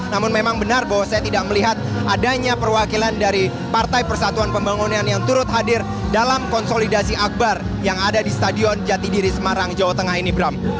namun memang benar bahwa saya tidak melihat adanya perwakilan dari partai persatuan pembangunan yang turut hadir dalam konsolidasi akbar yang ada di stadion jatidiri semarang jawa tengah ini bram